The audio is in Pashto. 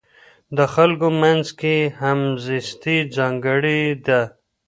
د خلکو منځ کې همزیستي ځانګړې ده.